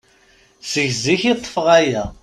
Seg zik i ṭṭfeɣ aya.